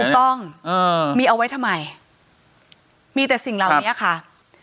ถูกต้องมีเอาไว้ทำไมมีแต่สิ่งเหล่านี้ค่ะ